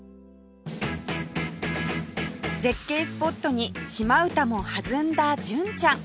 絶景スポットに島唄も弾んだ純ちゃん